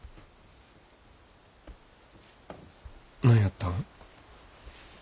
何やったん？